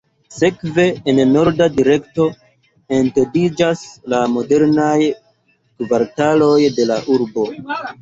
Sekve, en norda direkto, etendiĝas la modernaj kvartaloj de la urbo.